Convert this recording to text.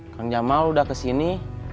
kang jamal udah kesini